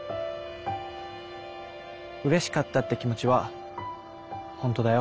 うれしかったって気持ちは本当だよ。